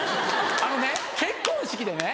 あのね結婚式でね